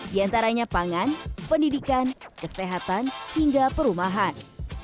diantaranya pangan pendidikan kesehatan hingga perumahan